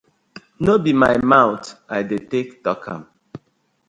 No be my mouth I dey tak tok?